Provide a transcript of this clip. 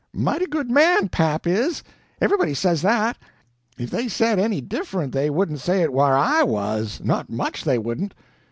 Mighty good man, pap is. Everybody says that. If they said any diffrunt they wouldn't say it whar I wuz not MUCH they wouldn't."